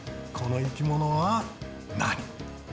この生き物は何？